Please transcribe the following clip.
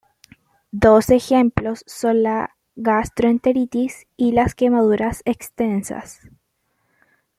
Dos ejemplos son la gastroenteritis y las quemaduras extensas.